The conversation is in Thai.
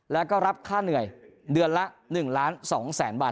แล้วก็รับค่าเหนื่อยเดือนละ๑๒๐๐๐๐๐บาท